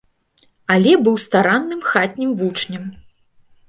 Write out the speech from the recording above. Але быў старанным хатнім вучнем.